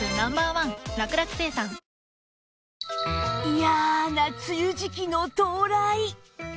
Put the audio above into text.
イヤな梅雨時期の到来